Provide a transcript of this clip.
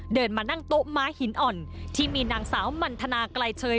เดินมานั่งโต๊ะม้าหินอ่อนที่มีนางสาวมันทนาไกลเชย